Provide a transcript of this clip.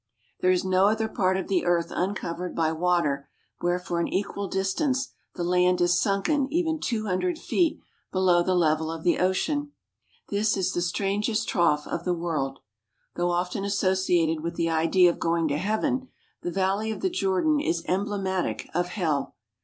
There is 129 THE HOLY LAND AND SYRIA no other part of the earth uncovered by water where for an equal distance the land is sunken even two hundred feet below the level of the ocean. This is the strangest trough of the world. Though often associated with the idea of going to heaven, the Valley of the Jordan is em blematic of hell.